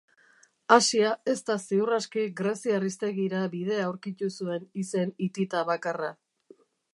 Asia ez da ziur aski greziar hiztegira bidea aurkitu zuen izen hitita bakarra.